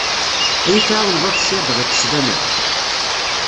Ad yi-tεawneḍ ad ssirdeɣ iqeslan-a?